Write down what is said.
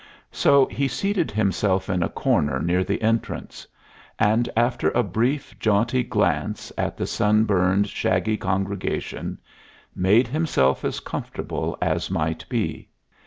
So he seated himself in a corner near the entrance, and after a brief, jaunty glance at the sunburned, shaggy congregation, made himself as comfortable as might be.